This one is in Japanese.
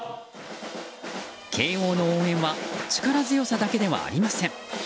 慶応の応援は力強さだけではありません。